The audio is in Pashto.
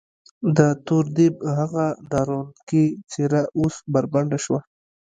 د تور دیب هغه ډارونکې څېره اوس بربنډه شوه.